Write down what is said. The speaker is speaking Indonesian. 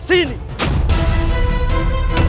apakah ini akan menjadi paragu pentfk